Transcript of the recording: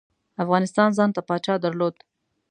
افغانستان ځانته پاچا درلود.